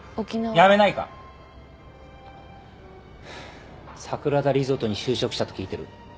ハァ桜田リゾートに就職したと聞いてる。